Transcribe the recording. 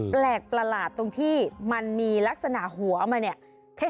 แปลกประหลาดตรงที่มันมีลักษณะหัวมาเนี่ย